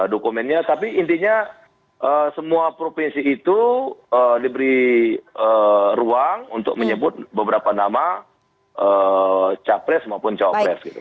dokumennya tapi intinya semua provinsi itu diberi ruang untuk menyebut beberapa nama capres maupun cawapres gitu